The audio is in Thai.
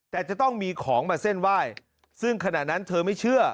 แต่จะต้องมีของมาเส้นไหว้ซึ่งขณะนั้นเธอไม่เชื่อ